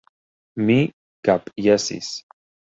Mi kapjesis.